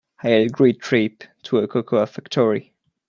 I had a great trip to a cocoa factory.